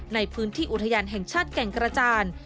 ในพื้นที่อุทยานแห่งชาติแก่งกระจาน